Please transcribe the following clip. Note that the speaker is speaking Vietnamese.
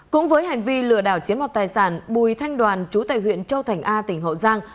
cũng với hành vi lừa đảo chiếm hoạt tài sản bùi thanh đoàn chú tại huyện châu thành a tỉnh hậu giang